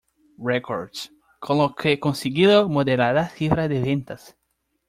Records, con lo que consiguió moderadas cifras de ventas.